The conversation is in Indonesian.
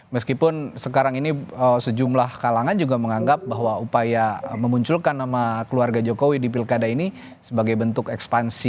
meskipun sekarang ini sejumlah kalangan juga menganggap bahwa upaya memunculkan nama keluarga jokowi di pilkada ini sebagai bentuk ekspansi